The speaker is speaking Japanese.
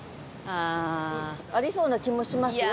ありそうな気もしますよ。